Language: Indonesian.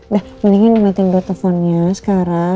dah mendingin dimatiin dulu telfonnya sekarang